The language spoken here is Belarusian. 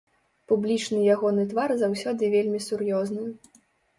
Публічны ягоны твар заўсёды вельмі сур'ёзны.